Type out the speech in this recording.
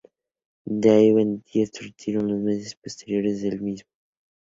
De ahí vendría su retiro en los meses posteriores del mismo.